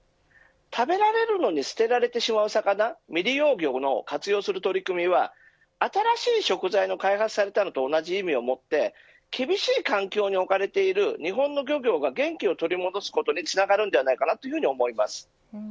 食べられるのに捨てられてしまう魚未利用魚の活用する取り組みは新しい食材の開発されたのと同じ意味を持って厳しい環境に置かれている日本の漁業が元気を取り戻すことにつながるんではないかというふうに思います。